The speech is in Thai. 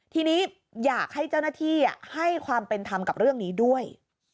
ทีนี้อยากให้เจ้าหน้าที่ให้ความเป็นธรรมกับเรื่องนี้ด้วย